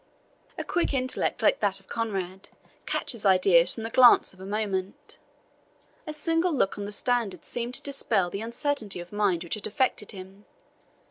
A quick intellect like that of Conrade catches ideas from the glance of a moment. A single look on the standard seemed to dispel the uncertainty of mind which had affected him.